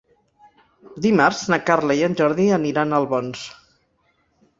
Dimarts na Carla i en Jordi aniran a Albons.